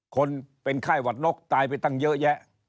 คนเป็นไข้หวัดนกตายไปตั้งเยอะแยะ